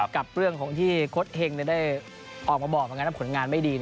กับเรื่องของที่โค้ชเฮงได้ออกมาบอกว่าผลงานไม่ดี